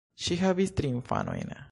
Ŝi havis tri infanojn.